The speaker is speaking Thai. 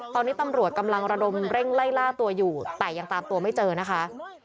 ตอนนี้ตำรวจกำลังระดมเร่งไล่ล่าตัวอยู่แต่ยังตามตัวไม่เจอนะคะ